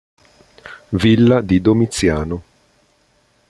Villa di Domiziano